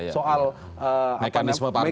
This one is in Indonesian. soal mekanisme partai